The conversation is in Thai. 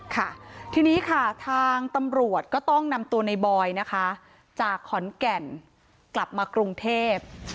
ค่ะทีนี้ค่ะทางตำรวจก็ต้องนำตัวในบอยนะคะจากขอนแก่นกลับมากรุงเทพ